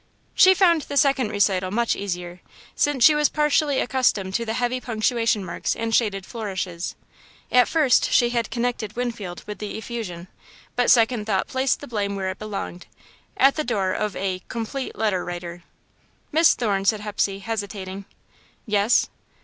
She found the second recital much easier, since she was partially accustomed to the heavy punctuation marks and shaded flourishes. At first, she had connected Winfield with the effusion, but second thought placed the blame where it belonged at the door of a "Complete Letter Writer." "Miss Thorne," said Hepsey, hesitating. "Yes?"